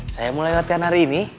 saya mulai latihan hari ini